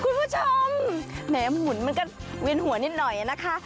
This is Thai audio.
คุณผู้ชมแหมหมุนมันก็เวียนหัวนิดหน่อยนะคะ